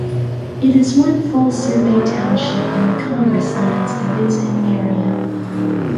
It is one full survey township in the Congress Lands and is in area.